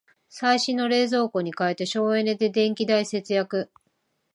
最新の冷蔵庫に替えて省エネで電気代節約